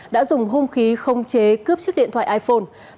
đã dùng hung khí không chế cướp chiếc điện thoại iphone